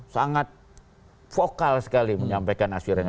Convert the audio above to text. sangat vokal sekali menyampaikan aspirasinya